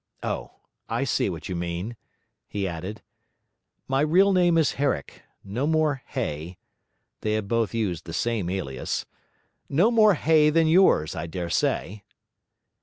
Oh, I see what you mean,' he added. 'My real name is Herrick. No more Hay' they had both used the same alias 'no more Hay than yours, I dare say.'